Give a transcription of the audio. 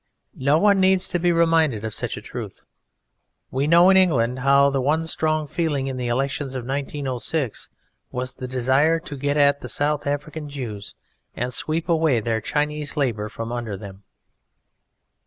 No one needs to be reminded of such a truth. We know in England how the one strong feeling in the elections of 1906 was the desire to get at the South African Jews and sweep away their Chinese labour from under them.